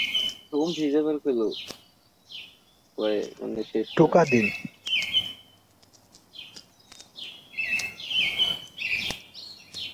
বাংলা সাহিত্যের ইতিহাসে তাঁহার সেই খ্যাতি বিলুপ্ত হইবে না।